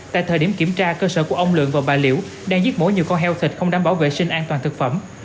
tại thời điểm kiểm tra cơ sở của ông lượng và bà liễu đang giết mổ nhiều con heo thịt không đảm bảo vệ sinh an toàn thực phẩm